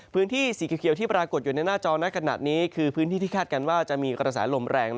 พื้นที่สีเขียวที่ปรากฏอยู่ในหน้าจอในขณะนี้คือพื้นที่ที่คาดการณ์ว่าจะมีกระแสลมแรง